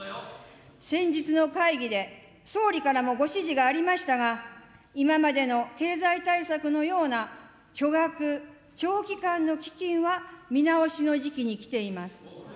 先日の会議で、総理からもご指示がありましたが、今までの経済対策のような、巨額、長期間の基金は見直しの時期にきています。